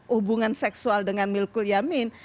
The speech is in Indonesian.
hubungan seksual dengan milkul yamin